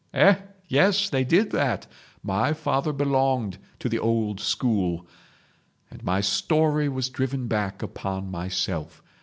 Eh? Yes, they did that! My father belonged to the old school ..... And my story was driven back upon myself.